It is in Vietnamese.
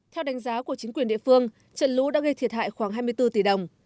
theo đánh giá của chính quyền địa phương trận lũ đã gây thiệt hại khoảng hai mươi bốn tỷ đồng